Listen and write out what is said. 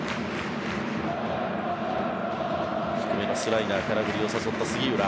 低めのスライダー空振りを誘った杉浦。